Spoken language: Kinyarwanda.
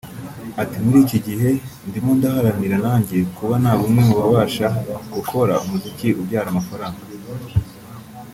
Ati “ muri iki gihe ndimo ndaharanira nanjye kuba naba umwe mubabasha gukora umuziki ubyara amafaranga